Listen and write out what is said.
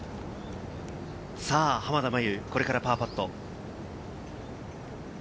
濱田茉優、これからパーパット。